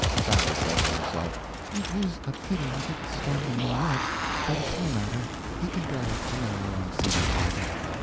Sally said to herself, "It is a pity he didn't stop in New York; but it's no matter; he can go up to morrow and see my father.